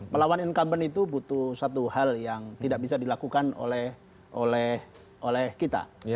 melawan incumbent itu butuh satu hal yang tidak bisa dilakukan oleh kita